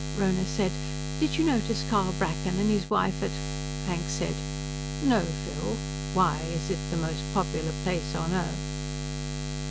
Rhona said, "Did you notice Carl Braken and his wife at " Hank said, "No, Phil, why is it the most popular place on earth?"